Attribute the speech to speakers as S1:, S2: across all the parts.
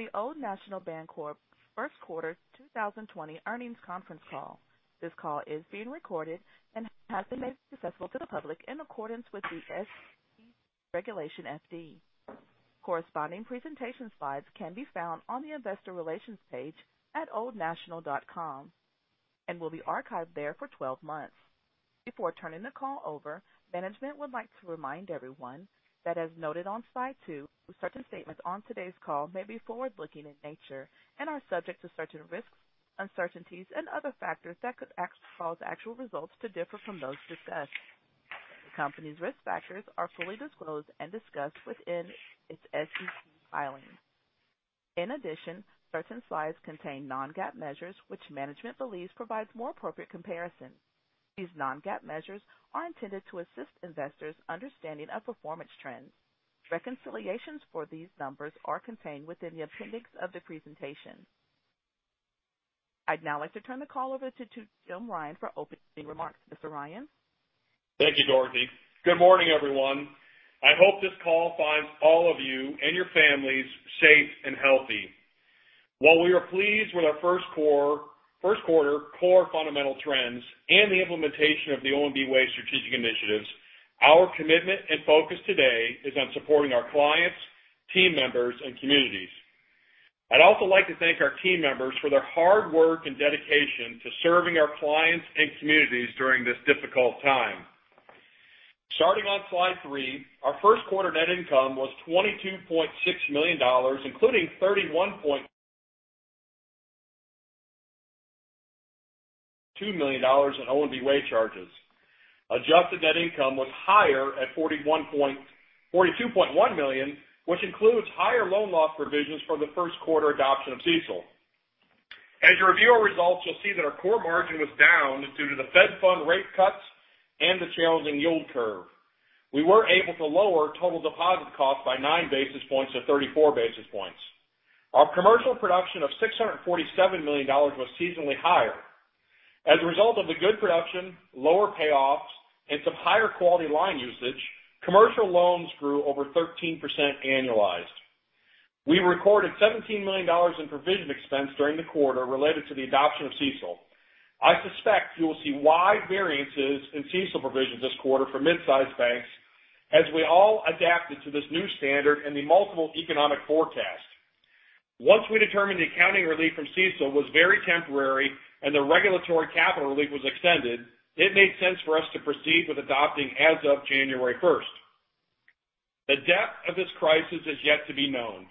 S1: Welcome to the Old National Bancorp first quarter 2020 earnings conference call. This call is being recorded and has been made accessible to the public in accordance with the SEC Regulation FD. Corresponding presentation slides can be found on the investor relations page at oldnational.com and will be archived there for 12 months. Before turning the call over, management would like to remind everyone that, as noted on slide two, certain statements on today's call may be forward-looking in nature and are subject to certain risks, uncertainties and other factors that could cause actual results to differ from those discussed. The company's risk factors are fully disclosed and discussed within its SEC filings. In addition, certain slides contain non-GAAP measures, which management believes provides more appropriate comparison. These non-GAAP measures are intended to assist investors' understanding of performance trends. Reconciliations for these numbers are contained within the appendix of the presentation. I'd now like to turn the call over to Jim Ryan for opening remarks. Mr. Ryan?
S2: Thank you, Dorothy. Good morning, everyone. I hope this call finds all of you and your families safe and healthy. While we are pleased with our first quarter core fundamental trends and the implementation of the ONB Way strategic initiatives, our commitment and focus today is on supporting our clients, team members, and communities. I'd also like to thank our team members for their hard work and dedication to serving our clients and communities during this difficult time. Starting on slide three, our first quarter net income was $22.6 million, including $31.2 million in ONB Way charges. Adjusted net income was higher at $42.1 million, which includes higher loan loss provisions for the first quarter adoption of CECL. As you review our results, you'll see that our core margin was down due to the Fed fund rate cuts and the challenging yield curve. We were able to lower total deposit costs by 9 basis points to 34 basis points. Our commercial production of $647 million was seasonally higher. As a result of the good production, lower payoffs, and some higher quality line usage, commercial loans grew over 13% annualized. We recorded $17 million in provision expense during the quarter related to the adoption of CECL. I suspect you will see wide variances in CECL provisions this quarter for mid-size banks, as we all adapted to this new standard and the multiple economic forecasts. Once we determined the accounting relief from CECL was very temporary and the regulatory capital relief was extended, it made sense for us to proceed with adopting as of January 1st. The depth of this crisis is yet to be known.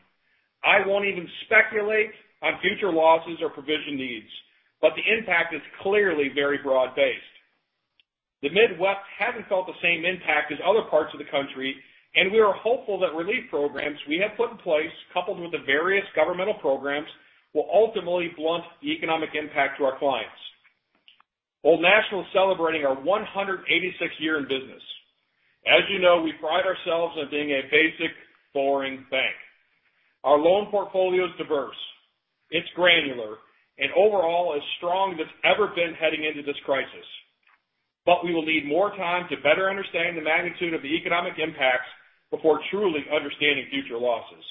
S2: I won't even speculate on future losses or provision needs, but the impact is clearly very broad-based. The Midwest hasn't felt the same impact as other parts of the country, and we are hopeful that relief programs we have put in place, coupled with the various governmental programs, will ultimately blunt the economic impact to our clients. Old National is celebrating our 186th year in business. As you know, we pride ourselves on being a basic, boring bank. Our loan portfolio is diverse, it's granular, and overall as strong as it's ever been heading into this crisis. We will need more time to better understand the magnitude of the economic impacts before truly understanding future losses.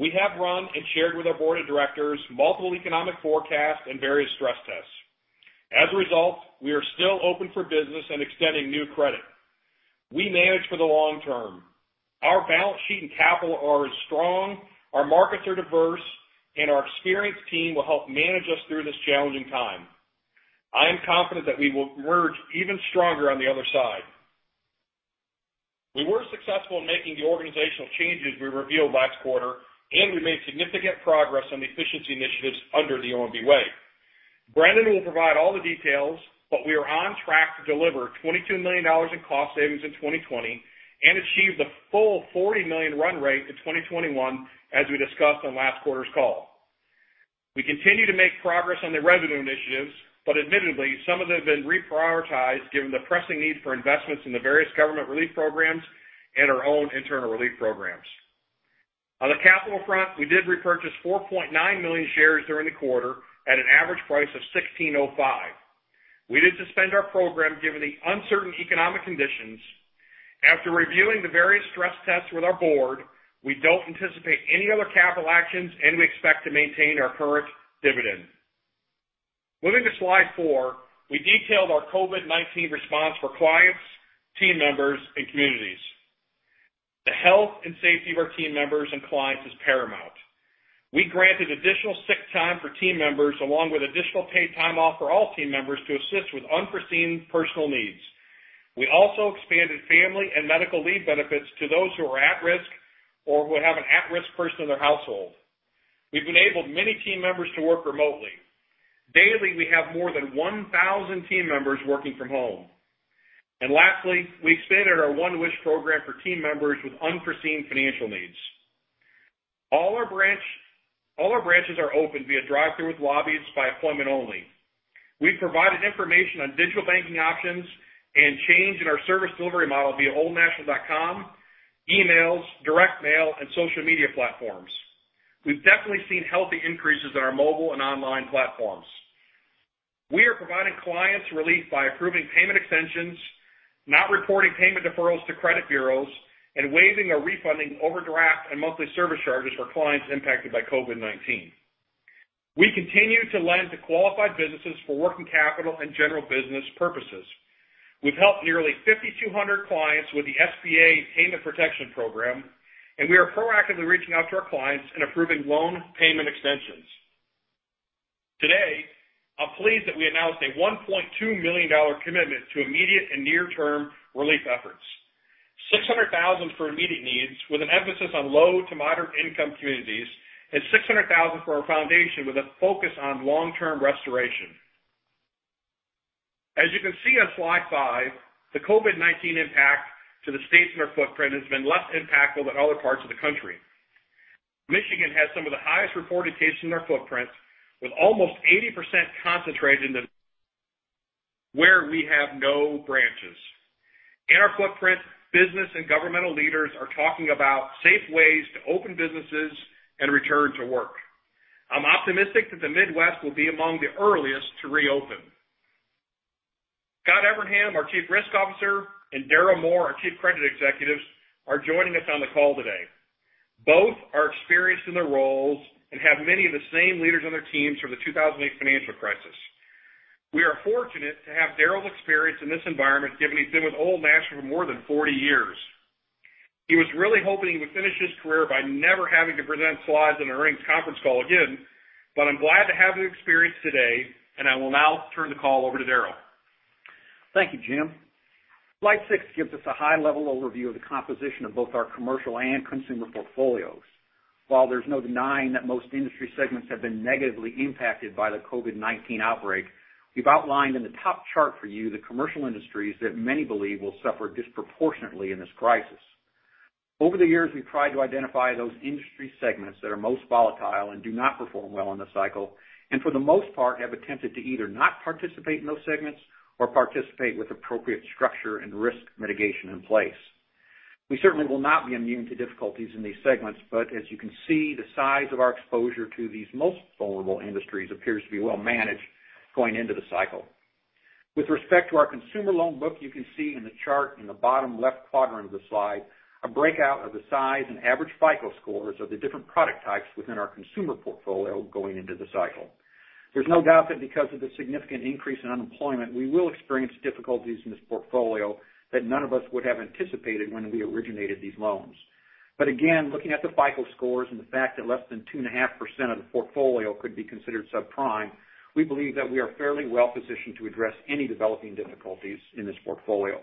S2: We have run and shared with our board of directors multiple economic forecasts and various stress tests. As a result, we are still open for business and extending new credit. We manage for the long term. Our balance sheet and capital are as strong, our markets are diverse, and our experienced team will help manage us through this challenging time. I am confident that we will emerge even stronger on the other side. We were successful in making the organizational changes we revealed last quarter, and we made significant progress on the efficiency initiatives under the ONB Way. Brendon will provide all the details, but we are on track to deliver $22 million in cost savings in 2020 and achieve the full $40 million run rate to 2021, as we discussed on last quarter's call. We continue to make progress on the revenue initiatives, but admittedly, some of them have been reprioritized given the pressing need for investments in the various government relief programs and our own internal relief programs. On the capital front, we did repurchase 4.9 million shares during the quarter at an average price of $16.05. We did suspend our program given the uncertain economic conditions. After reviewing the various stress tests with our board, we don't anticipate any other capital actions, and we expect to maintain our current dividend. Moving to slide four, we detailed our COVID-19 response for clients, team members, and communities. The health and safety of our team members and clients is paramount. We granted additional sick time for team members, along with additional paid time off for all team members to assist with unforeseen personal needs. We also expanded family and medical leave benefits to those who are at risk or who have an at-risk person in their household. We've enabled many team members to work remotely. Daily, we have more than 1,000 team members working from home. Lastly, we expanded our One Wish Program for team members with unforeseen financial needs. All our branches are open via drive-through with lobbies by appointment only. We've provided information on digital banking options and change in our service delivery model via oldnational.com, emails, direct mail, and social media platforms. We've definitely seen healthy increases in our mobile and online platforms. We are providing clients relief by approving payment extensions, not reporting payment deferrals to credit bureaus, and waiving or refunding overdraft and monthly service charges for clients impacted by COVID-19. We continue to lend to qualified businesses for working capital and general business purposes. We've helped nearly 5,200 clients with the SBA Paycheck Protection Program, and we are proactively reaching out to our clients and approving loan payment extensions. Today, I'm pleased that we announced a $1.2 million commitment to immediate and near-term relief efforts. $600,000 for immediate needs, with an emphasis on low to moderate income communities, and $600,000 for our foundation, with a focus on long-term restoration. As you can see on slide five, the COVID-19 impact to the states in our footprint has been less impactful than other parts of the country. Michigan has some of the highest reported cases in our footprint, with almost 80% concentrated in where we have no branches. In our footprint, business and governmental leaders are talking about safe ways to open businesses and return to work. I'm optimistic that the Midwest will be among the earliest to reopen. Scott Evernham, our Chief Risk Officer, and Daryl Moore, our Chief Credit Executives, are joining us on the call today. Both are experienced in their roles and have many of the same leaders on their teams from the 2008 financial crisis. We are fortunate to have Daryl's experience in this environment, given he's been with Old National for more than 40 years. He was really hoping he would finish his career by never having to present slides on earnings conference call again, but I'm glad to have the experience today, and I will now turn the call over to Daryl.
S3: Thank you, Jim. Slide six gives us a high-level overview of the composition of both our commercial and consumer portfolios. While there's no denying that most industry segments have been negatively impacted by the COVID-19 outbreak, we've outlined in the top chart for you the commercial industries that many believe will suffer disproportionately in this crisis. Over the years, we've tried to identify those industry segments that are most volatile and do not perform well in the cycle, and for the most part, have attempted to either not participate in those segments or participate with appropriate structure and risk mitigation in place. We certainly will not be immune to difficulties in these segments, but as you can see, the size of our exposure to these most vulnerable industries appears to be well managed going into the cycle. With respect to our consumer loan book, you can see in the chart in the bottom left quadrant of the slide, a breakout of the size and average FICO scores of the different product types within our consumer portfolio going into the cycle. There's no doubt that because of the significant increase in unemployment, we will experience difficulties in this portfolio that none of us would have anticipated when we originated these loans. Again, looking at the FICO scores and the fact that less than 2.5% of the portfolio could be considered subprime, we believe that we are fairly well positioned to address any developing difficulties in this portfolio.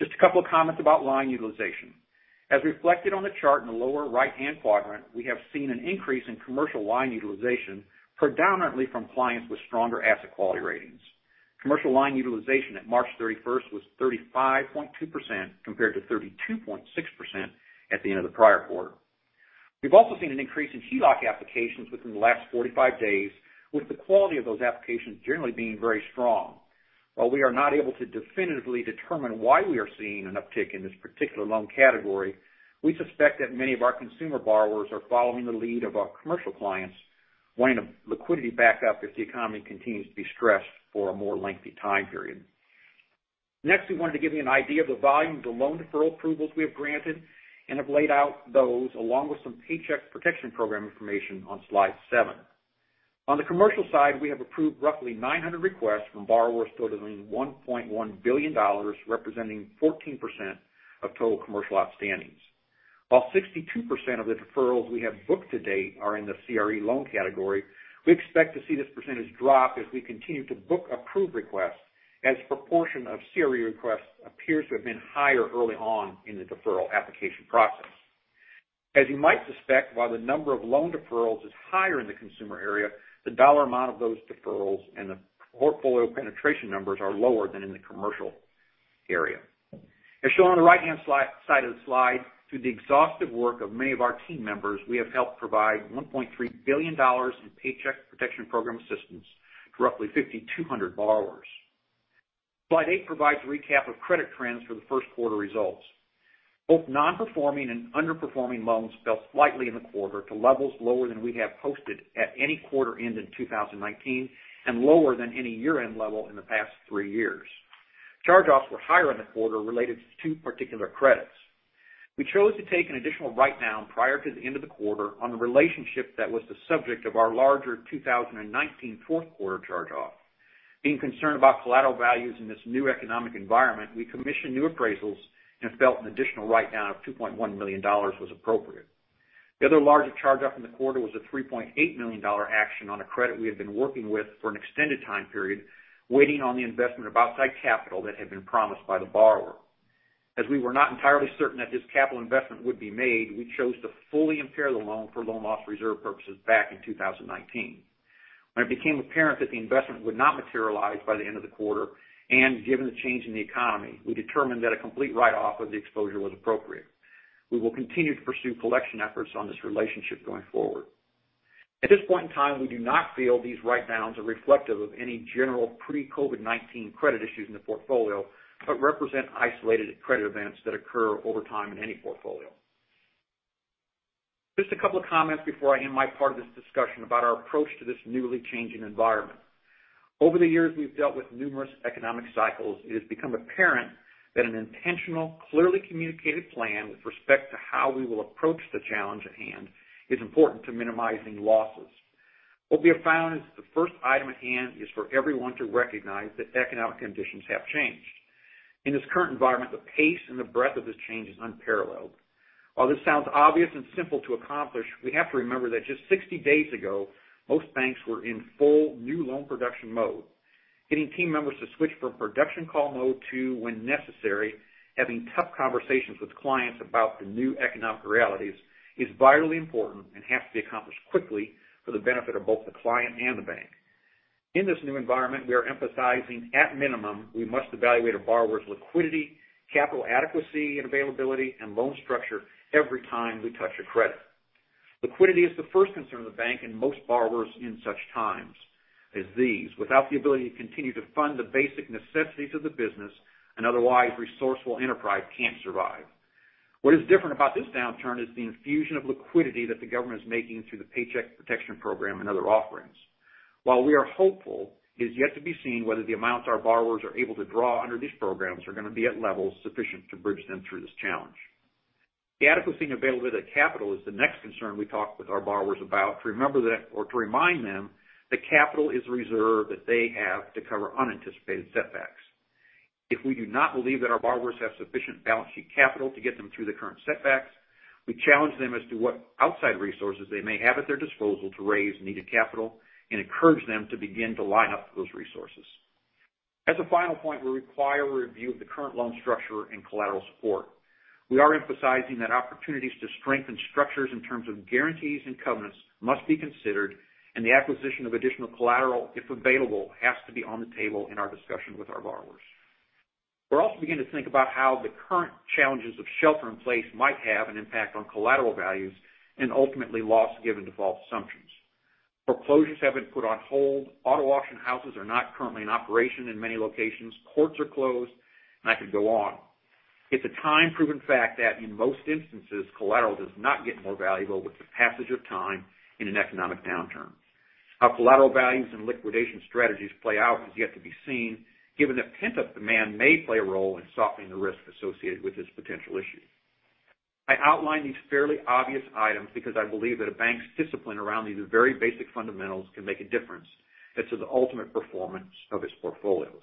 S3: Just a couple of comments about line utilization. As reflected on the chart in the lower right-hand quadrant, we have seen an increase in commercial line utilization, predominantly from clients with stronger asset quality ratings. Commercial line utilization at March 31st was 35.2%, compared to 32.6% at the end of the prior quarter. We've also seen an increase in HELOC applications within the last 45 days, with the quality of those applications generally being very strong. While we are not able to definitively determine why we are seeing an uptick in this particular loan category, we suspect that many of our consumer borrowers are following the lead of our commercial clients, wanting a liquidity backup if the economy continues to be stressed for a more lengthy time period. Next, we wanted to give you an idea of the volume of the loan deferral approvals we have granted and have laid out those along with some Paycheck Protection Program information on slide seven. On the commercial side, we have approved roughly 900 requests from borrowers totaling $1.1 billion, representing 14% of total commercial outstandings. While 62% of the deferrals we have booked to date are in the CRE loan category, we expect to see this percentage drop as we continue to book approved requests, as proportion of CRE requests appears to have been higher early on in the deferral application process. As you might suspect, while the number of loan deferrals is higher in the consumer area, the dollar amount of those deferrals and the portfolio penetration numbers are lower than in the commercial area. As shown on the right-hand side of the slide, through the exhaustive work of many of our team members, we have helped provide $1.3 billion in Paycheck Protection Program assistance to roughly 5,200 borrowers. Slide eight provides a recap of credit trends for the first quarter results. Both non-performing and underperforming loans fell slightly in the quarter to levels lower than we have posted at any quarter end in 2019 and lower than any year-end level in the past three years. Charge-offs were higher in the quarter related to two particular credits. We chose to take an additional write-down prior to the end of the quarter on a relationship that was the subject of our larger 2019 fourth-quarter charge-off. Being concerned about collateral values in this new economic environment, we commissioned new appraisals and felt an additional write-down of $2.1 million was appropriate. The other larger charge-off in the quarter was a $3.8 million action on a credit we had been working with for an extended time period, waiting on the investment of outside capital that had been promised by the borrower. As we were not entirely certain that this capital investment would be made, we chose to fully impair the loan for loan loss reserve purposes back in 2019. When it became apparent that the investment would not materialize by the end of the quarter, and given the change in the economy, we determined that a complete write-off of the exposure was appropriate. We will continue to pursue collection efforts on this relationship going forward. At this point in time, we do not feel these write-downs are reflective of any general pre-COVID-19 credit issues in the portfolio, but represent isolated credit events that occur over time in any portfolio. Just a couple of comments before I end my part of this discussion about our approach to this newly changing environment. Over the years, we've dealt with numerous economic cycles. It has become apparent that an intentional, clearly communicated plan with respect to how we will approach the challenge at hand is important to minimizing losses. What we have found is that the first item at hand is for everyone to recognize that economic conditions have changed. In this current environment, the pace and the breadth of this change is unparalleled. While this sounds obvious and simple to accomplish, we have to remember that just 60 days ago, most banks were in full new loan production mode. Getting team members to switch from production call mode to, when necessary, having tough conversations with clients about the new economic realities is vitally important and has to be accomplished quickly for the benefit of both the client and the bank. In this new environment, we are emphasizing, at minimum, we must evaluate a borrower's liquidity, capital adequacy and availability, and loan structure every time we touch a credit. Liquidity is the first concern of the bank and most borrowers in such times as these. Without the ability to continue to fund the basic necessities of the business, an otherwise resourceful enterprise can't survive. What is different about this downturn is the infusion of liquidity that the government is making through the Paycheck Protection Program and other offerings. While we are hopeful, it is yet to be seen whether the amounts our borrowers are able to draw under these programs are going to be at levels sufficient to bridge them through this challenge. The adequacy and availability of capital is the next concern we talk with our borrowers about to remind them that capital is a reserve that they have to cover unanticipated setbacks. If we do not believe that our borrowers have sufficient balance sheet capital to get them through the current setbacks, we challenge them as to what outside resources they may have at their disposal to raise needed capital and encourage them to begin to line up those resources. As a final point, we require a review of the current loan structure and collateral support. We are emphasizing that opportunities to strengthen structures in terms of guarantees and covenants must be considered, and the acquisition of additional collateral, if available, has to be on the table in our discussion with our borrowers. We're also beginning to think about how the current challenges of shelter in place might have an impact on collateral values and ultimately loss given default assumptions. Foreclosures have been put on hold. Auto auction houses are not currently in operation in many locations. Courts are closed, and I could go on. It's a time-proven fact that in most instances, collateral does not get more valuable with the passage of time in an economic downturn. How collateral values and liquidation strategies play out is yet to be seen, given that pent-up demand may play a role in softening the risk associated with this potential issue. I outline these fairly obvious items because I believe that a bank's discipline around these very basic fundamentals can make a difference as to the ultimate performance of its portfolios.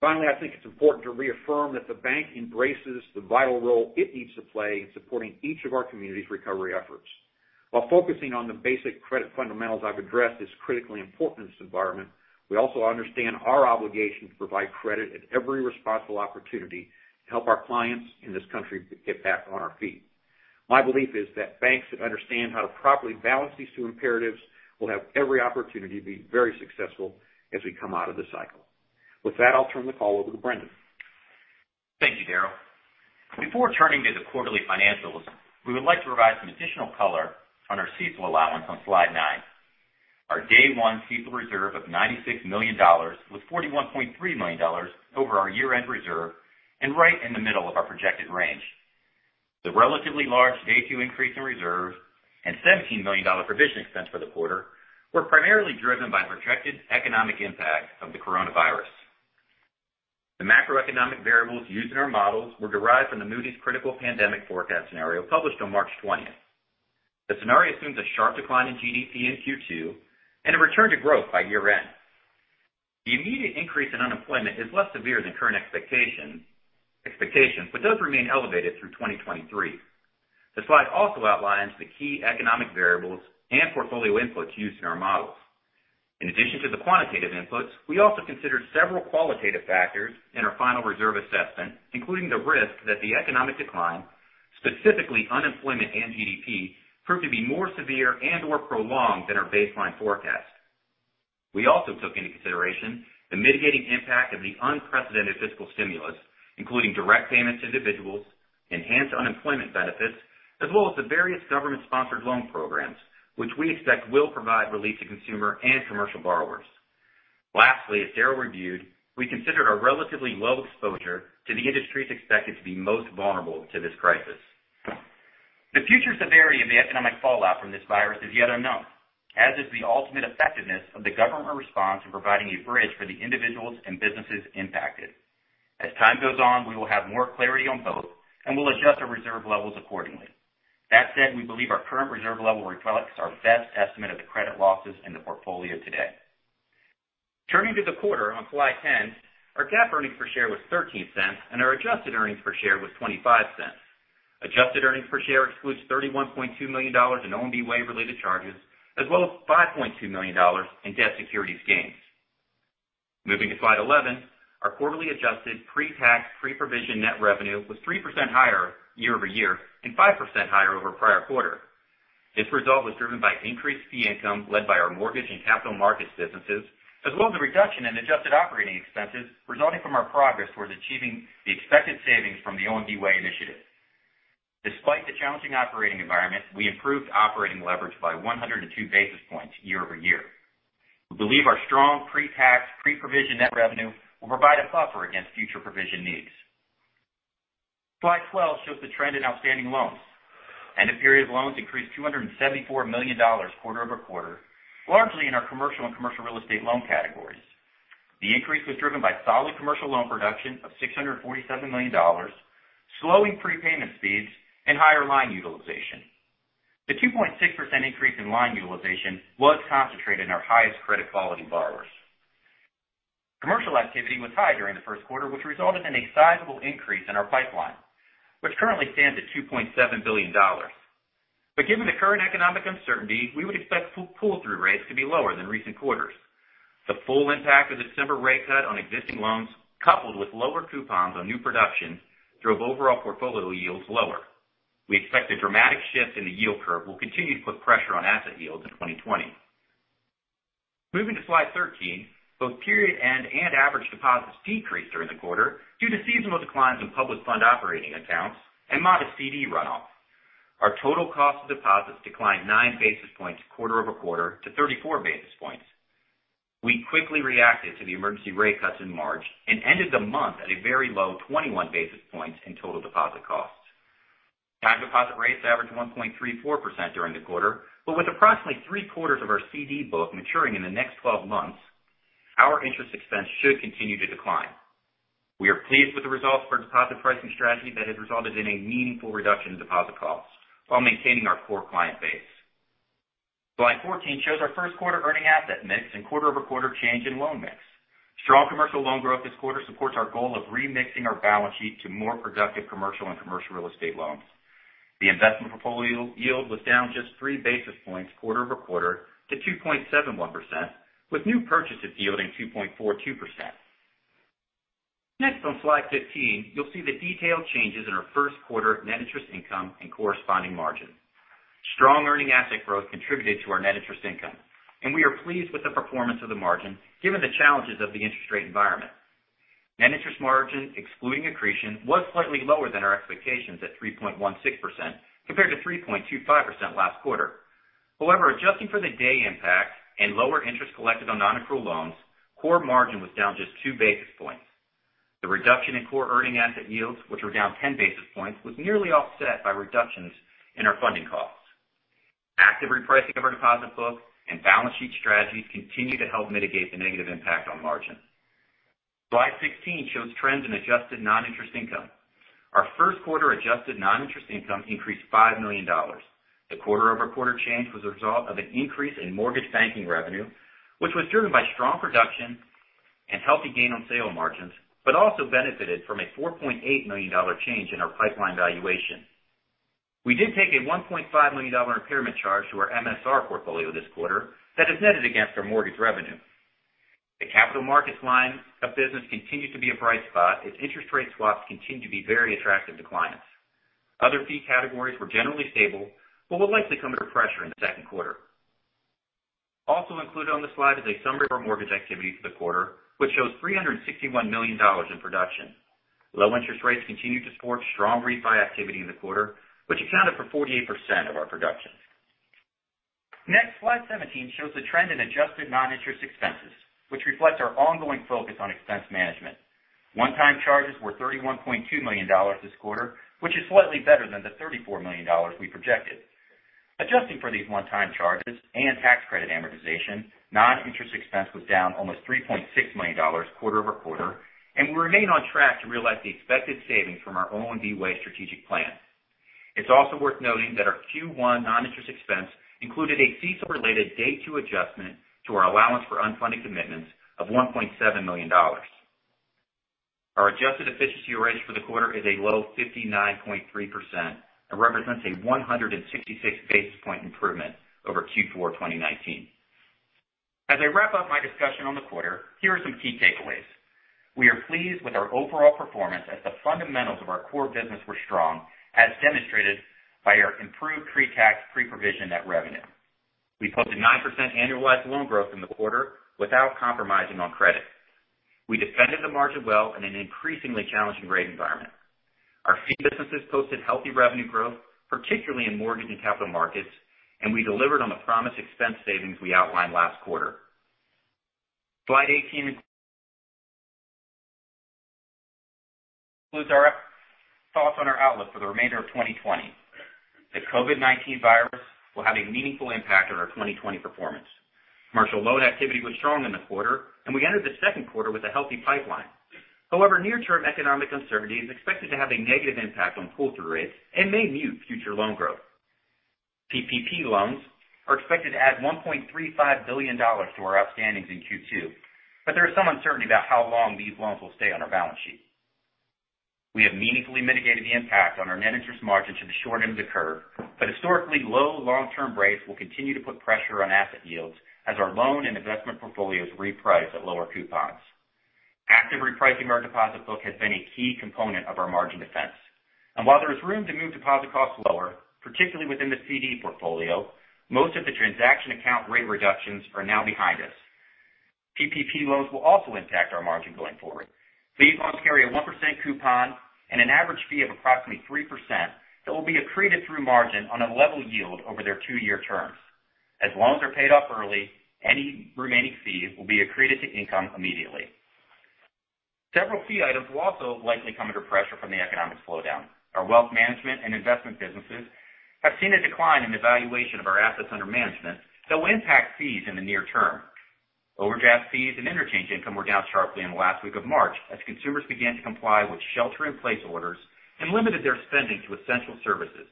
S3: Finally, I think it's important to reaffirm that the bank embraces the vital role it needs to play in supporting each of our community's recovery efforts. While focusing on the basic credit fundamentals I've addressed is critically important in this environment, we also understand our obligation to provide credit at every responsible opportunity to help our clients and this country get back on our feet. My belief is that banks that understand how to properly balance these two imperatives will have every opportunity to be very accessible as we come out of this cycle. With that, I'll turn the call over to Brendon.
S4: Thank you, Daryl. Before turning to the quarterly financials, we would like to provide some additional color on our CECL allowance on slide nine. Our day one CECL reserve of $96 million was $41.3 million over our year-end reserve and right in the middle of our projected range. The relatively large day two increase in reserves and $17 million provision expense for the quarter were primarily driven by projected economic impact of the coronavirus. The macroeconomic variables used in our models were derived from the Moody's Severe Pandemic scenario published on March 20th. The scenario assumes a sharp decline in GDP in Q2 and a return to growth by year end. The immediate increase in unemployment is less severe than current expectations, but does remain elevated through 2023. The slide also outlines the key economic variables and portfolio inputs used in our models. In addition to the quantitative inputs, we also considered several qualitative factors in our final reserve assessment, including the risk that the economic decline, specifically unemployment and GDP, proved to be more severe and/or prolonged than our baseline forecast. We also took into consideration the mitigating impact of the unprecedented fiscal stimulus, including direct payments to individuals, enhanced unemployment benefits, as well as the various government-sponsored loan programs, which we expect will provide relief to consumer and commercial borrowers. Lastly, as Daryl reviewed, we considered our relatively low exposure to the industries expected to be most vulnerable to this crisis. The future severity of the economic fallout from this virus is yet unknown, as is the ultimate effectiveness of the government response in providing a bridge for the individuals and businesses impacted. As time goes on, we will have more clarity on both, and we'll adjust our reserve levels accordingly. That said, we believe our current reserve level reflects our best estimate of the credit losses in the portfolio today. Turning to the quarter on slide 10, our GAAP earnings per share was $0.13, and our adjusted earnings per share was $0.25. Adjusted earnings per share excludes $31.2 million in ONB Way related charges, as well as $5.2 million in debt securities gains. Moving to slide 11, our quarterly adjusted pre-tax, pre-provision net revenue was 3% higher year-over-year and 5% higher over prior quarter. This result was driven by increased fee income led by our mortgage and capital markets businesses, as well as a reduction in adjusted operating expenses resulting from our progress towards achieving the expected savings from the ONB Way initiative. Despite the challenging operating environment, we improved operating leverage by 102 basis points year-over-year. We believe our strong pre-tax, pre-provision net revenue will provide a buffer against future provision needs. Slide 12 shows the trend in outstanding loans. End of period loans increased $274 million quarter-over-quarter, largely in our commercial and commercial real estate loan categories. The increase was driven by solid commercial loan production of $647 million, slowing prepayment speeds, and higher line utilization. The 2.6% increase in line utilization was concentrated in our highest credit quality borrowers. Commercial activity was high during the first quarter, which resulted in a sizable increase in our pipeline, which currently stands at $2.7 billion. Given the current economic uncertainty, we would expect pull-through rates to be lower than recent quarters. The full impact of the December rate cut on existing loans, coupled with lower coupons on new production, drove overall portfolio yields lower. We expect a dramatic shift in the yield curve will continue to put pressure on asset yields in 2020. Moving to slide 13, both period end and average deposits decreased during the quarter due to seasonal declines in public fund operating accounts and modest CD runoff. Our total cost of deposits declined 9 basis points quarter-over-quarter to 34 basis points. We quickly reacted to the emergency rate cuts in March and ended the month at a very low 21 basis points in total deposit costs. Time deposit rates averaged 1.34% during the quarter, but with approximately three-quarters of our CD book maturing in the next 12 months, our interest expense should continue to decline. We are pleased with the results of our deposit pricing strategy that has resulted in a meaningful reduction in deposit costs while maintaining our core client base. Slide 14 shows our first quarter earning asset mix and quarter-over-quarter change in loan mix. Strong commercial loan growth this quarter supports our goal of remixing our balance sheet to more productive commercial and commercial real estate loans. The investment portfolio yield was down just 3 basis points quarter-over-quarter to 2.71%, with new purchases yielding 2.42%. On slide 15, you'll see the detailed changes in our first quarter net interest income and corresponding margin. Strong earning asset growth contributed to our net interest income, and we are pleased with the performance of the margin, given the challenges of the interest rate environment. Net interest margin, excluding accretion, was slightly lower than our expectations at 3.16%, compared to 3.25% last quarter. However, adjusting for the day impact and lower interest collected on non-accrual loans, core margin was down just 2 basis points. The reduction in core earning asset yields, which were down 10 basis points, was nearly offset by reductions in our funding costs. Active repricing of our deposit book and balance sheet strategies continue to help mitigate the negative impact on margin. Slide 16 shows trends in adjusted non-interest income. Our first quarter adjusted non-interest income increased $5 million. The quarter-over-quarter change was a result of an increase in mortgage banking revenue, which was driven by strong production and healthy gain on sale margins, but also benefited from a $4.8 million change in our pipeline valuation. We did take a $1.5 million impairment charge to our MSR portfolio this quarter that is netted against our mortgage revenue. The capital markets line of business continues to be a bright spot as interest rate swaps continue to be very attractive to clients. Other fee categories were generally stable but will likely come under pressure in the second quarter. Also included on the slide is a summary of our mortgage activity for the quarter, which shows $361 million in production. Low interest rates continue to support strong refi activity in the quarter, which accounted for 48% of our production. Next, slide 17 shows the trend in adjusted non-interest expenses, which reflects our ongoing focus on expense management. One-time charges were $31.2 million this quarter, which is slightly better than the $34 million we projected. Adjusting for these one-time charges and tax credit amortization, non-interest expense was down almost $3.6 million quarter-over-quarter. We remain on track to realize the expected savings from our ONB Way strategic plan. It's also worth noting that our Q1 non-interest expense included a CECL-related Day 2 adjustment to our allowance for unfunded commitments of $1.7 million. Our adjusted efficiency ratio for the quarter is a low 59.3% and represents a 166 basis point improvement over Q4 2019. As I wrap up my discussion on the quarter, here are some key takeaways. We are pleased with our overall performance as the fundamentals of our core business were strong, as demonstrated by our improved pre-tax, pre-provision net revenue. We posted 9% annualized loan growth in the quarter without compromising on credit. We defended the margin well in an increasingly challenging rate environment. Our fee businesses posted healthy revenue growth, particularly in mortgage and capital markets, and we delivered on the promised expense savings we outlined last quarter. Slide 18 includes our thoughts on our outlook for the remainder of 2020. The COVID-19 virus will have a meaningful impact on our 2020 performance. Commercial loan activity was strong in the quarter, and we entered the second quarter with a healthy pipeline. However, near-term economic uncertainty is expected to have a negative impact on pull-through rates and may mute future loan growth. PPP loans are expected to add $1.35 billion to our outstandings in Q2, but there is some uncertainty about how long these loans will stay on our balance sheet. We have meaningfully mitigated the impact on our net interest margin to the short end of the curve, historically low long-term rates will continue to put pressure on asset yields as our loan and investment portfolios reprice at lower coupons. Active repricing our deposit book has been a key component of our margin defense. While there is room to move deposit costs lower, particularly within the CD portfolio, most of the transaction account rate reductions are now behind us. PPP loans will also impact our margin going forward. These loans carry a 1% coupon and an average fee of approximately 3% that will be accreted through margin on a level yield over their two-year terms. As loans are paid off early, any remaining fees will be accreted to income immediately. Several fee items will also likely come under pressure from the economic slowdown. Our wealth management and investment businesses have seen a decline in the valuation of our assets under management that will impact fees in the near term. Overdraft fees and interchange income were down sharply in the last week of March as consumers began to comply with shelter-in-place orders and limited their spending to essential services.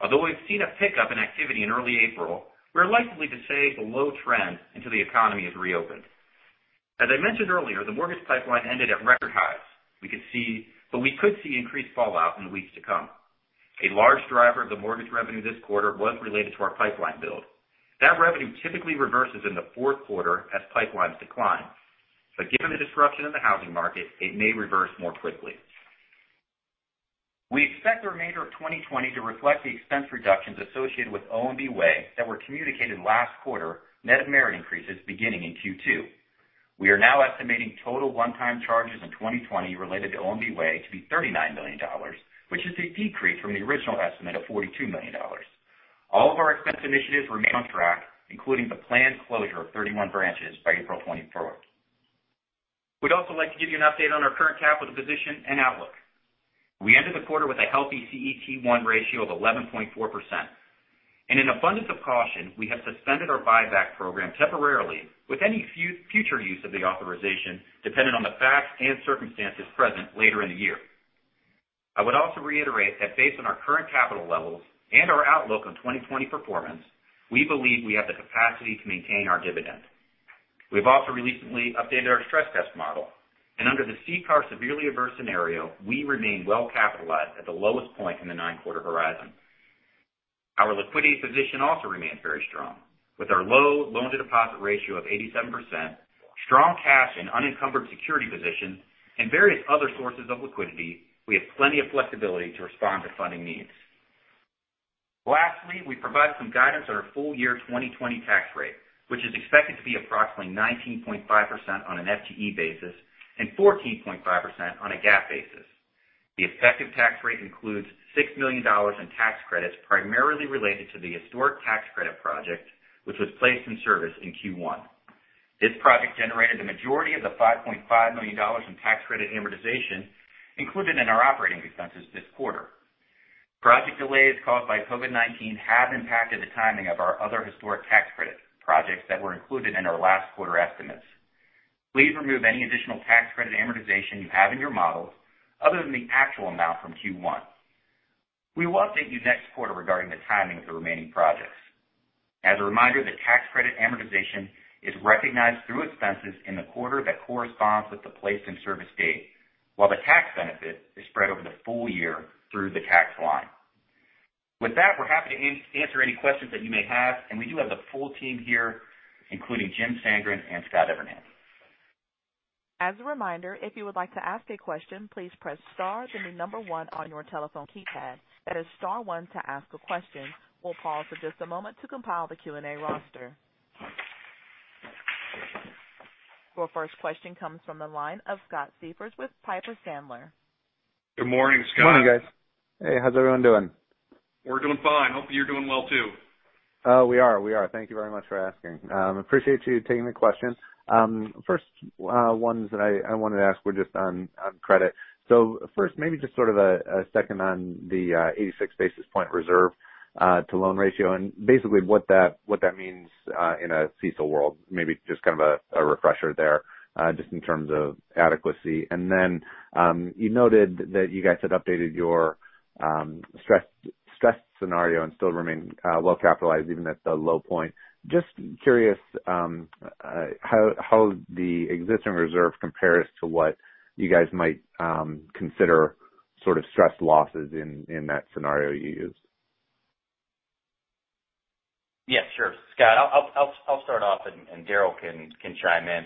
S4: Although we've seen a pickup in activity in early April, we're likely to stay at the low trend until the economy is reopened. As I mentioned earlier, the mortgage pipeline ended at record highs. We could see increased fallout in the weeks to come. A large driver of the mortgage revenue this quarter was related to our pipeline build. That revenue typically reverses in the fourth quarter as pipelines decline, but given the disruption of the housing market, it may reverse more quickly. We expect the remainder of 2020 to reflect the expense reductions associated with ONB Way that were communicated last quarter, net of merit increases beginning in Q2. We are now estimating total one-time charges in 2020 related to ONB Way to be $39 million, which is a decrease from the original estimate of $42 million. All of our expense initiatives remain on track, including the planned closure of 31 branches by April 24th. We'd also like to give you an update on our current capital position and outlook. We ended the quarter with a healthy CET1 ratio of 11.4%. In abundance of caution, we have suspended our buyback program temporarily with any future use of the authorization dependent on the facts and circumstances present later in the year. I would also reiterate that based on our current capital levels and our outlook on 2020 performance, we believe we have the capacity to maintain our dividend. We've also recently updated our stress test model, and under the CCAR severely adverse scenario, we remain well-capitalized at the lowest point in the nine-quarter horizon. Our liquidity position also remains very strong. With our low loan-to-deposit ratio of 87%, strong cash and unencumbered security position, and various other sources of liquidity, we have plenty of flexibility to respond to funding needs. Lastly, we provide some guidance on our full year 2020 tax rate, which is expected to be approximately 19.5% on an FTE basis and 14.5% on a GAAP basis. The effective tax rate includes $6 million in tax credits, primarily related to the historic tax credit project, which was placed in service in Q1. This project generated the majority of the $5.5 million in tax credit amortization included in our operating expenses this quarter. Project delays caused by COVID-19 have impacted the timing of our other historic tax credit projects that were included in our last quarter estimates. Please remove any additional tax credit amortization you have in your models other than the actual amount from Q1. We will update you next quarter regarding the timing of the remaining projects. As a reminder, the tax credit amortization is recognized through expenses in the quarter that corresponds with the placed-in-service date, while the tax benefit is spread over the full year through the tax line. With that, we're happy to answer any questions that you may have, and we do have the full team here, including Jim Sandgren and Scott Evernham.
S1: As a reminder, if you would like to ask a question, please press star, then the number one on your telephone keypad. That is star, one to ask a question. We'll pause for just a moment to compile the Q&A roster. Your first question comes from the line of Scott Siefers with Piper Sandler.
S2: Good morning, Scott.
S5: Good morning, guys. Hey, how's everyone doing?
S2: We're doing fine, hope you're doing well, too.
S5: We are, we are, thank you very much for asking. Appreciate you taking the question. First ones that I wanted to ask were just on credit. First, maybe just sort of a second on the 86 basis point reserve to loan ratio, and basically what that means in a CECL world. Maybe just kind of a refresher there, just in terms of adequacy. You noted that you guys had updated your stress scenario and still remain well-capitalized even at the low point. Just curious how the existing reserve compares to what you guys might consider sort of stress losses in that scenario you used.
S4: Yeah, sure. Scott, I'll start off and Daryl can chime in.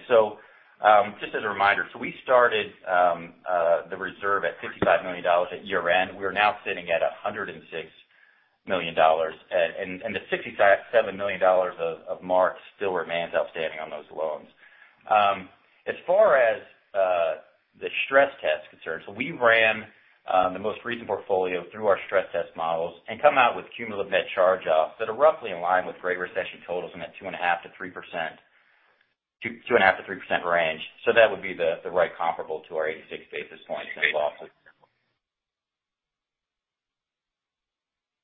S4: Just as a reminder, we started the reserve at $55 million at year-end. We're now sitting at $106 million. The $67 million of marks still remains outstanding on those loans. As far as the stress test concerned, we ran the most recent portfolio through our stress test models and come out with cumulative net charge-offs that are roughly in line with Great Recession totals in that 2.5%-3% range. That would be the right comparable to our 86 basis points in losses.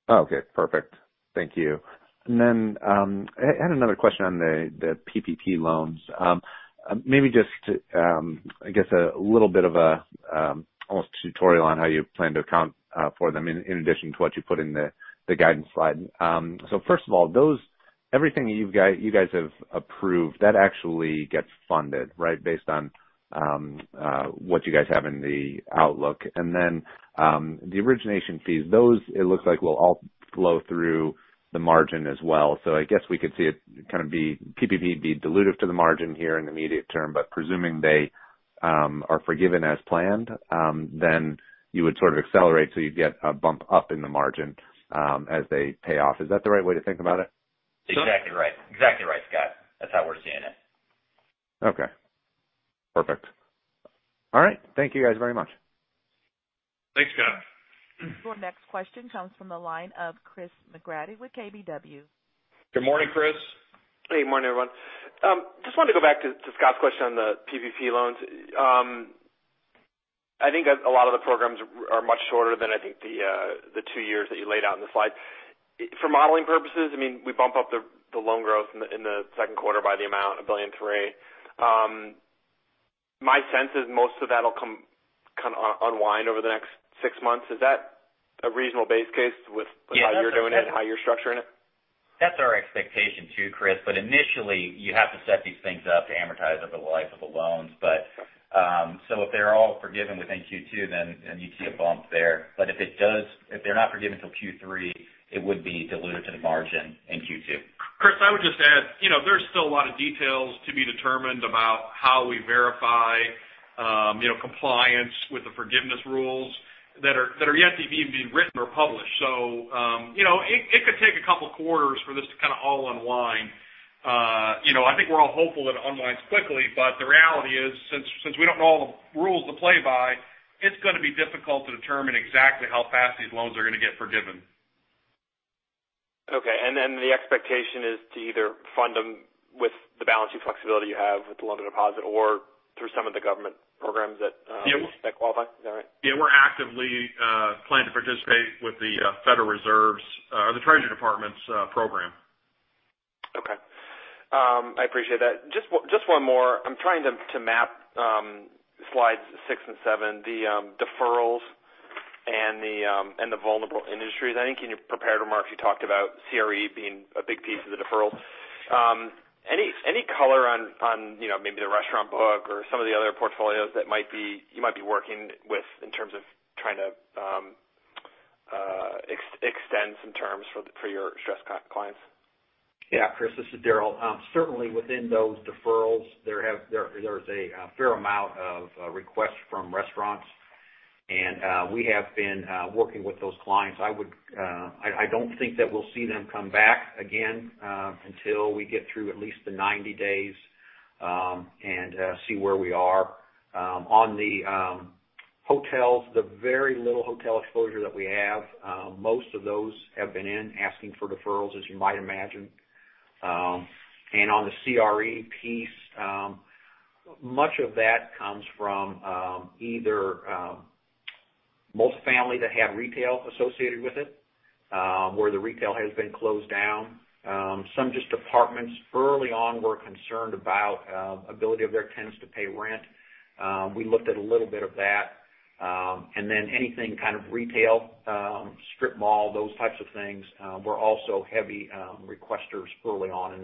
S5: Okay, perfect. Thank you. I had another question on the PPP loans. Maybe just to a little bit of a almost tutorial on how you plan to account for them in addition to what you put in the guidance slide. First of all, everything that you guys have approved, that actually gets funded, right? Based on what you guys have in the outlook. The origination fees, those, it looks like, will all flow through the margin as well. We could see it PPP be dilutive to the margin here in the immediate term, but presuming they are forgiven as planned, then you would sort of accelerate, so you'd get a bump up in the margin as they pay off. Is that the right way to think about it?
S4: Exactly right, Scott. That's how we're seeing it.
S5: Okay, perfect. All right, thank you guys very much.
S2: Thanks, Scott.
S1: Your next question comes from the line of Chris McGratty with KBW.
S2: Good morning, Chris.
S6: Hey, good morning everyone. Just wanted to go back to Scott's question on the PPP loans. I think a lot of the programs are much shorter than I think the two years that you laid out in the slide. For modeling purposes, we bump up the loan growth in the second quarter by the amount, $1.3 billion. My sense is most of that'll kind of unwind over the next six months. Is that a reasonable base case with how you're doing it and how you're structuring it?
S4: That's our expectation too, Chris. Initially, you have to set these things up to amortize over the life of the loans. If they're all forgiven within Q2, then you'd see a bump there. If they're not forgiven till Q3, it would be diluted to the margin in Q2.
S2: Chris, I would just add, there's still a lot of details to be determined about how we verify compliance with the forgiveness rules that are yet to even be written or published. It could take a couple of quarters for this to kind of all unwind. I think we're all hopeful that it unwinds quickly, but the reality is, since we don't know all the rules to play by, it's going to be difficult to determine exactly how fast these loans are going to get forgiven.
S6: Okay. Then the expectation is to either fund them with the balancing flexibility you have with the loan-to-deposit or through some of the government programs that qualify. Is that right?
S2: Yeah, we're actively planning to participate with the Federal Reserve's or the Treasury Department's program.
S6: Okay, I appreciate that. Just one more. I'm trying to map slides six and seven, the deferrals and the vulnerable industries. I think in your prepared remarks, you talked about CRE being a big piece of the deferral. Any color on maybe the restaurant book or some of the other portfolios that you might be working with in terms of trying to extend some terms for your stressed clients?
S3: Yeah, Chris, this is Daryl. Certainly within those deferrals, there is a fair amount of requests from restaurants. We have been working with those clients. I don't think that we'll see them come back again until we get through at least the 90 days and see where we are. On the hotels, the very little hotel exposure that we have, most of those have been in asking for deferrals, as you might imagine. On the CRE piece, much of that comes from either multi-family that had retail associated with it where the retail has been closed down. Some just apartments early on were concerned about ability of their tenants to pay rent. We looked at a little bit of that. Then anything kind of retail, strip mall, those types of things were also heavy requesters early on in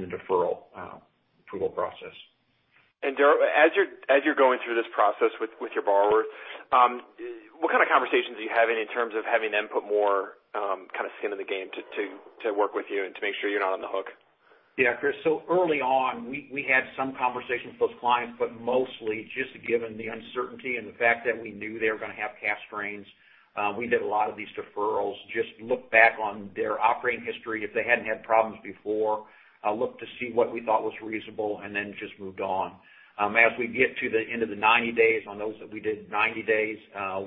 S3: the deferral approval process.
S6: Daryl, as you're going through this process with your borrowers, what kind of conversations are you having in terms of having them put more kind of skin in the game to work with you and to make sure you're not on the hook?
S3: Yeah, Chris. Early on, we had some conversations with those clients, but mostly just given the uncertainty and the fact that we knew they were going to have cash strains. We did a lot of these deferrals, just looked back on their operating history if they hadn't had problems before, looked to see what we thought was reasonable, and then just moved on. As we get to the end of the 90 days on those that we did 90 days,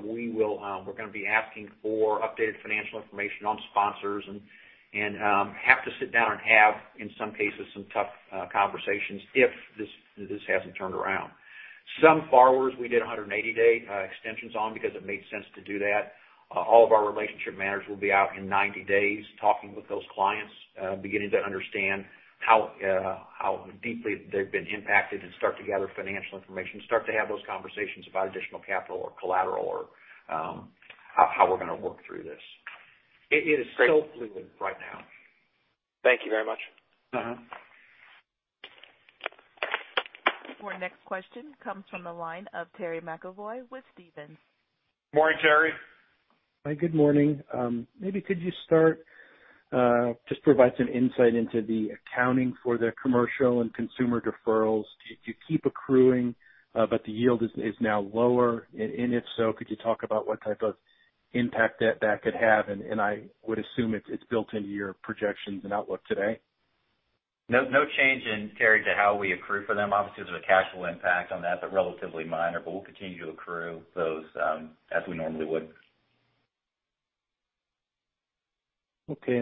S3: we're going to be asking for updated financial information on sponsors and have to sit down and have, in some cases, some tough conversations if this hasn't turned around. Some borrowers we did 180-day extensions on because it made sense to do that. All of our relationship managers will be out in 90 days talking with those clients, beginning to understand how deeply they've been impacted and start to gather financial information, start to have those conversations about additional capital or collateral or how we're going to work through this. It is so fluid right now.
S6: Thank you very much.
S1: Your next question comes from the line of Terry McEvoy with Stephens.
S2: Morning, Terry.
S7: Good morning. Maybe could you start, just provide some insight into the accounting for the commercial and consumer deferrals. Do you keep accruing but the yield is now lower? If so, could you talk about what type of impact that that could have? I would assume it's built into your projections and outlook today.
S4: No change in carry to how we accrue for them. Obviously, there's a casual impact on that, but relatively minor. We'll continue to accrue those as we normally would.
S7: Okay.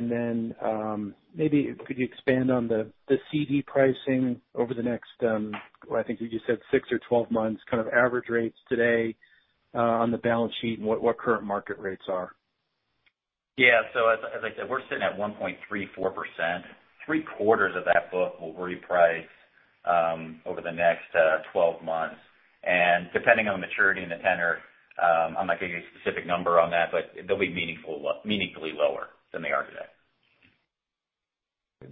S7: Maybe could you expand on the CD pricing over the next, I think you just said six or 12 months, kind of average rates today on the balance sheet and what current market rates are?
S4: As I said, we're sitting at 1.34%. 3/4 of that book will reprice over the next 12 months. Depending on the maturity and the tenor, I'm not giving you a specific number on that, but they'll be meaningfully lower than they are today.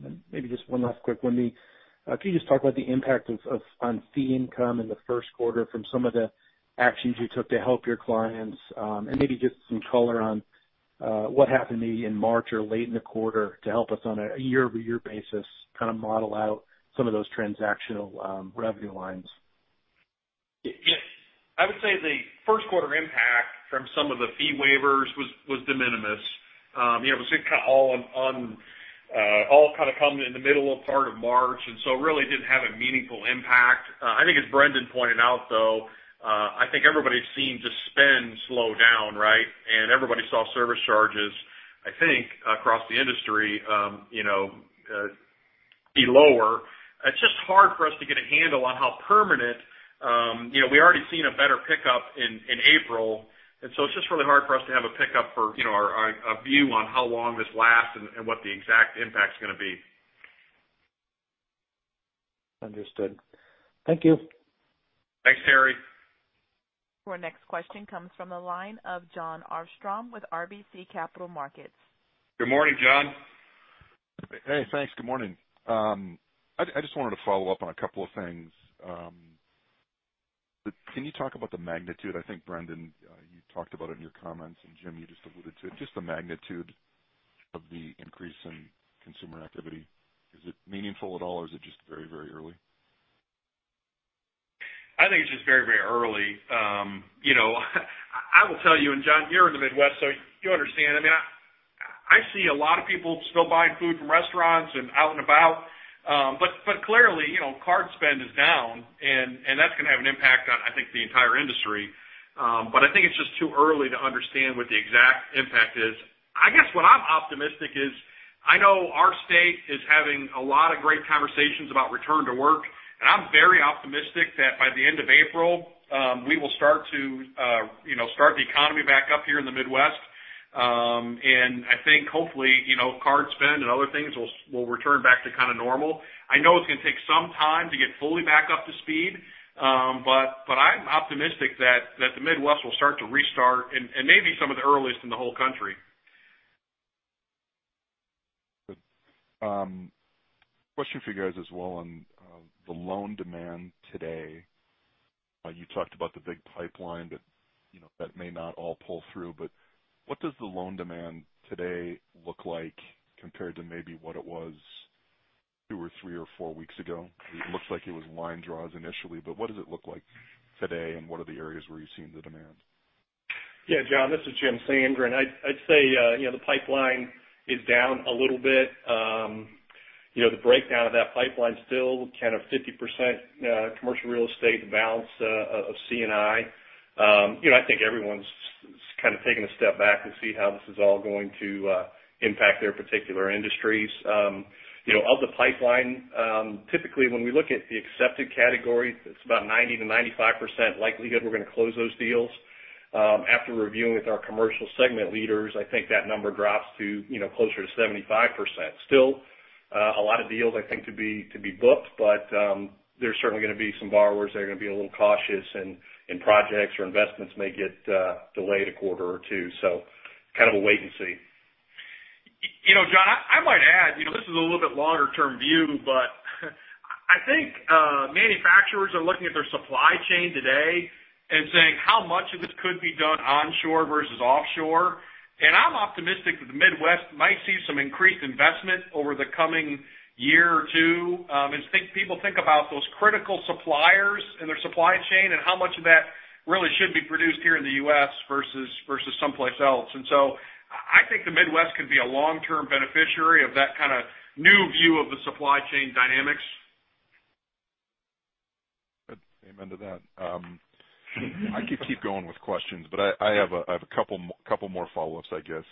S7: Then maybe just one last quick one. Can you just talk about the impact on fee income in the first quarter from some of the actions you took to help your clients and maybe just some color on? What happened maybe in March or late in the quarter to help us on a year-over-year basis kind of model out some of those transactional revenue lines.
S2: I would say the first quarter impact from some of the fee waivers was de minimis. It was all kind of coming in the middle part of March, really didn't have a meaningful impact. I think as Brendon pointed out, though, I think everybody's seen just spend slow down, right? Everybody saw service charges, I think, across the industry be lower. It's just hard for us to get a handle on how permanent. We've already seen a better pickup in April, it's just really hard for us to have a view on how long this lasts and what the exact impact's going to be.
S7: Understood. Thank you.
S2: Thanks, Terry.
S1: Our next question comes from the line of Jon Arfstrom with RBC Capital Markets.
S2: Good morning, Jon.
S8: Hey, thanks. Good morning. I just wanted to follow up on a couple of things. Can you talk about the magnitude? I think, Brendon, you talked about it in your comments, and Jim, you just alluded to it, just the magnitude of the increase in consumer activity. Is it meaningful at all, or is it just very early?
S2: I think it's just very early. I will tell you, and Jon, you're in the Midwest, so you understand. I see a lot of people still buying food from restaurants and out and about. Clearly, card spend is down, and that's going to have an impact on, I think, the entire industry. I think it's just too early to understand what the exact impact is. I guess what I'm optimistic is I know our state is having a lot of great conversations about return to work, and I'm very optimistic that by the end of April, we will start the economy back up here in the Midwest. I think hopefully, card spend and other things will return back to kind of normal. I know it's going to take some time to get fully back up to speed. I'm optimistic that the Midwest will start to restart, and may be some of the earliest in the whole country.
S8: Good. Question for you guys as well on the loan demand today. You talked about the big pipeline that may not all pull through, but what does the loan demand today look like compared to maybe what it was two or three or four weeks ago? It looks like it was line draws initially, but what does it look like today, and what are the areas where you're seeing the demand?
S9: Yeah, Jon, this is Jim Sandgren. I'd say, the pipeline is down a little bit. The breakdown of that pipeline's still kind of 50% commercial real estate, the balance of C&I. I think everyone's kind of taking a step back to see how this is all going to impact their particular industries. Of the pipeline, typically, when we look at the accepted category, it's about 90%-95% likelihood we're going to close those deals. After reviewing with our commercial segment leaders, I think that number drops to closer to 75%. Still a lot of deals I think to be booked, but there's certainly going to be some borrowers that are going to be a little cautious, and projects or investments may get delayed a quarter or two. Kind of a wait and see.
S2: Jon, I might add, this is a little bit longer-term view, but I think manufacturers are looking at their supply chain today and saying how much of this could be done onshore versus offshore. I'm optimistic that the Midwest might see some increased investment over the coming year or two as people think about those critical suppliers in their supply chain and how much of that really should be produced here in the U.S. versus someplace else. I think the Midwest could be a long-term beneficiary of that kind of new view of the supply chain dynamics.
S8: Good, amen to that. I could keep going with questions, but I have a couple more follow-ups, I guess.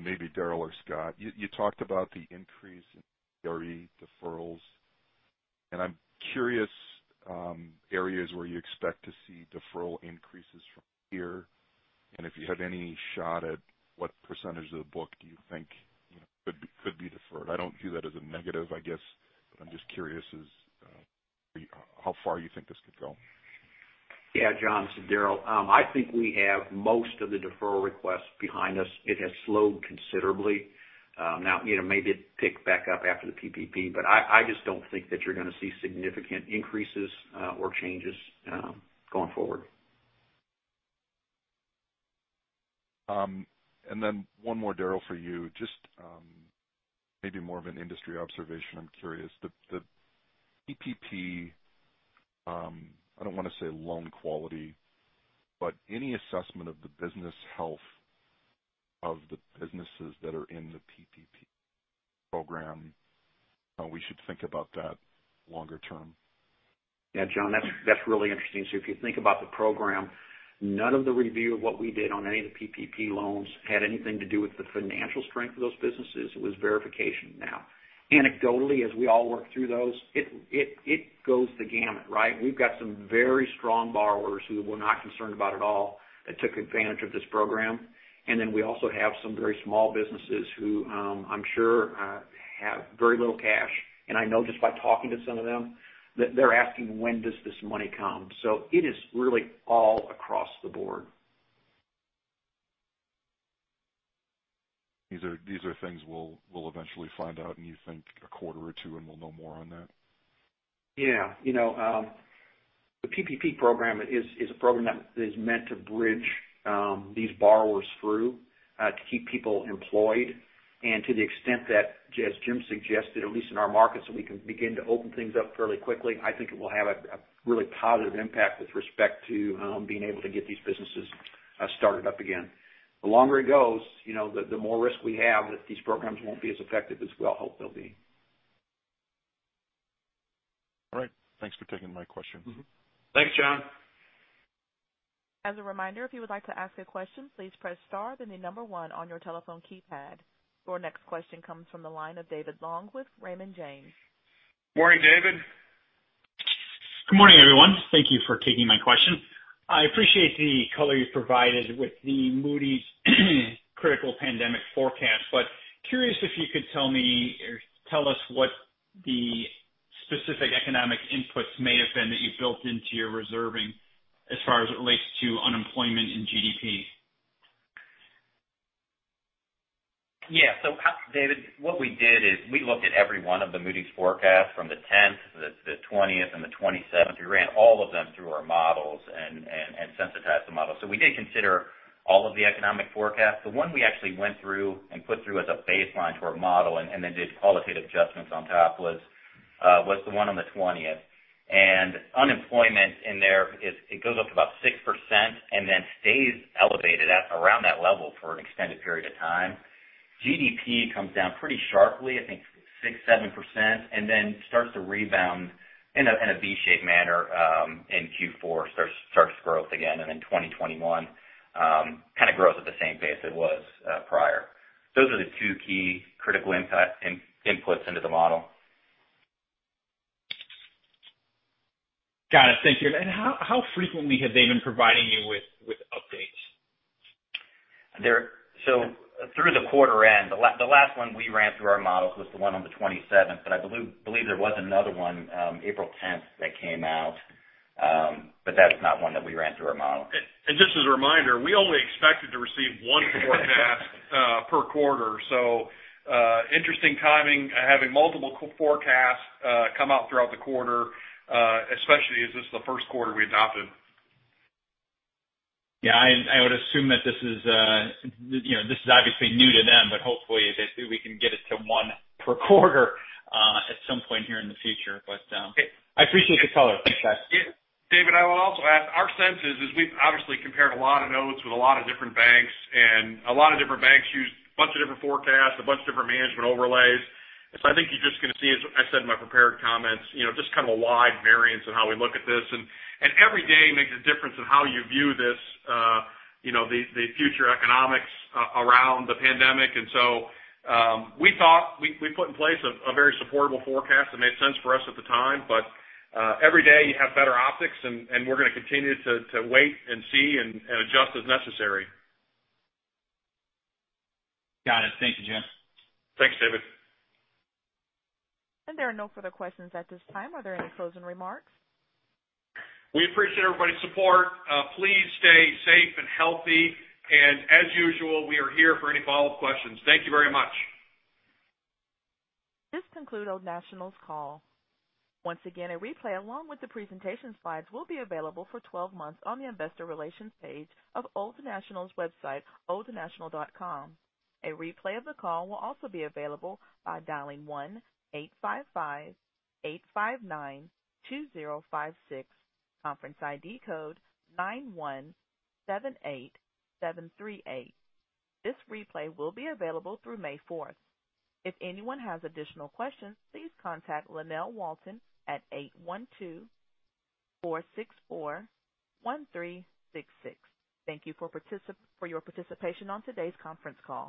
S8: Maybe Daryl or Scott. You talked about the increase in CRE deferrals. I'm curious areas where you expect to see deferral increases from here, and if you had any shot at what percentage of the book do you think could be deferred. I don't view that as a negative, I guess. I'm just curious as how far you think this could go.
S3: Yeah, Jon, this is Daryl. I think we have most of the deferral requests behind us. It has slowed considerably. Maybe it picked back up after the PPP, but I just don't think that you're going to see significant increases or changes going forward.
S8: One more, Daryl, for you. Just maybe more of an industry observation. I'm curious. The PPP, I don't want to say loan quality, but any assessment of the business health of the businesses that are in the PPP program, how we should think about that longer term.
S3: Yeah, Jon, that's really interesting. If you think about the program, none of the review of what we did on any of the PPP loans had anything to do with the financial strength of those businesses. It was verification. Now, anecdotally, as we all work through those, it goes the gamut, right? We've got some very strong borrowers who we're not concerned about at all that took advantage of this program. We also have some very small businesses who, I'm sure, have very little cash. I know just by talking to some of them that they're asking when does this money come. It is really all across the board.
S8: These are things we'll eventually find out, and you think a quarter or two, and we'll know more on that?
S3: Yeah. The PPP program is a program that is meant to bridge these borrowers through to keep people employed. To the extent that, as Jim suggested, at least in our markets, that we can begin to open things up fairly quickly, I think it will have a really positive impact with respect to being able to get these businesses started up again. The longer it goes, the more risk we have that these programs won't be as effective as we all hope they'll be.
S8: All right. Thanks for taking my question.
S2: Thanks, Jon.
S1: As a reminder, if you would like to ask a question, please press star, then the number one on your telephone keypad. Your next question comes from the line of David Long with Raymond James.
S2: Morning, David.
S10: Good morning, everyone. Thank you for taking my question. I appreciate the color you provided with the Moody's critical pandemic forecast. Curious if you could tell us what the specific economic inputs may have been that you've built into your reserving as far as it relates to unemployment and GDP.
S4: Yeah. David, what we did is we looked at every one of the Moody's forecasts from the 10th to the 20th and the 27th. We ran all of them through our models and sensitized the model. We did consider all of the economic forecasts. The one we actually went through and put through as a baseline to our model and then did qualitative adjustments on top was the one on the 20th. Unemployment in there, it goes up to about 6% and then stays elevated at around that level for an extended period of time. GDP comes down pretty sharply, I think 6%, 7%, and then starts to rebound in a V-shaped manner in Q4, starts growth again, and then 2021 kind of grows at the same pace it was prior. Those are the two key critical inputs into the model.
S10: Got it, thank you. How frequently have they been providing you with updates?
S4: Through the quarter end, the last one we ran through our models was the one on the 27th, but I believe there was another one, April 10th, that came out. That's not one that we ran through our model.
S2: Just as a reminder, we only expected to receive one forecast per quarter. Interesting timing having multiple forecasts come out throughout the quarter, especially as this is the first quarter we adopted.
S10: Yeah. I would assume that this is obviously new to them, but hopefully, we can get it to one per quarter at some point here in the future. I appreciate the color. Thanks, guys.
S2: David, I will also add, our sense is we've obviously compared a lot of notes with a lot of different banks. A lot of different banks use a bunch of different forecasts, a bunch of different management overlays. I think you're just going to see, as I said in my prepared comments, just kind of a wide variance in how we look at this. Every day makes a difference in how you view the future economics around the pandemic. We put in place a very supportable forecast that made sense for us at the time. Every day you have better optics, and we're going to continue to wait and see and adjust as necessary.
S10: Got it. Thank you, Jim.
S2: Thanks, David.
S1: There are no further questions at this time. Are there any closing remarks?
S2: We appreciate everybody's support. Please stay safe and healthy, and as usual, we are here for any follow-up questions. Thank you very much.
S1: This concludes Old National's call. Once again, a replay, along with the presentation slides, will be available for 12 months on the investor relations page of Old National's website, oldnational.com. A replay of the call will also be available by dialing 1-855-859-2056, conference ID code 9178738. This replay will be available through May 4th. If anyone has additional questions, please contact Lynell Walton at 812-464-1366. Thank you for your participation on today's conference call.